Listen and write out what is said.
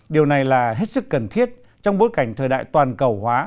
điều này là hết sức cần thiết trong bối cảnh thời đại toàn cầu hóa